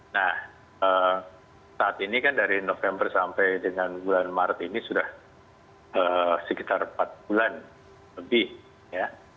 nah saat ini kan dari november sampai dengan bulan maret ini sudah sekitar empat bulan lebih ya